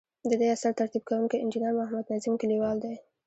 ددې اثر ترتیب کوونکی انجنیر محمد نظیم کلیوال دی.